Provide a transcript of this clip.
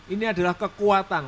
ini adalah kekuatan